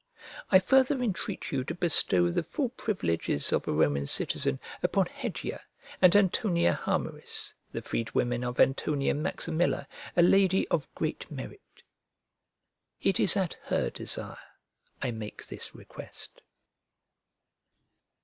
I further entreat you to bestow the full privileges of a Roman citizen upon Hedia and Antonia Harmeris, the freedwomen of Antonia Maximilla, a lady of great merit. It is at her desire I make this request.